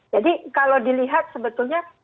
jadi kalau dilihat sebetulnya